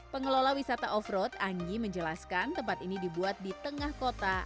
pengelola wisata off road anggi menjelaskan tempat ini dibuat di tengah kota